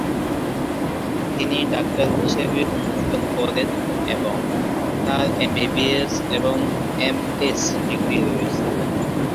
তিনি ডাক্তার হিসাবে অনুশীলন করেন এবং তাঁর এমবিবিএস এবং এমএস ডিগ্রি রয়েছে।